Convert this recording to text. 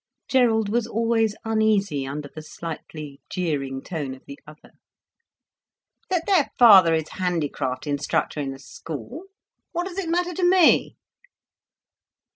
Gerald was always uneasy under the slightly jeering tone of the other. "That their father is handicraft instructor in a school! What does it matter to me?"